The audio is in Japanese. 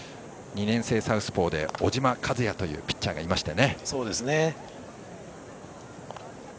２年生サウスポーで小島和哉というピッチャーがいまして。